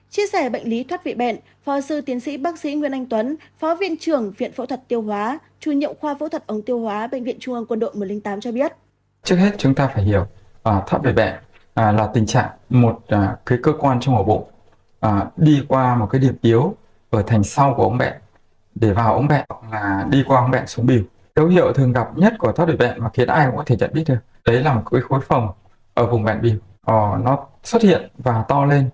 chia sẻ bệnh lý thoát vị bệnh phó sư tiến sĩ bác sĩ nguyên anh tuấn phó viện trưởng viện phẫu thuật tiêu hóa chủ nhậu khoa phẫu thuật ống tiêu hóa bệnh viện trung ương quân đội một trăm linh tám cho biết